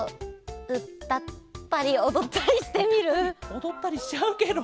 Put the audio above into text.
おどったりしちゃうケロ？